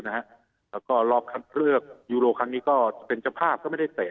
แล้วก็รอบคัดเลือกยูโรครั้งนี้ก็เป็นเจ้าภาพก็ไม่ได้เตะ